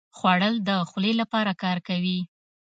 خوړل د خولې لپاره کار کوي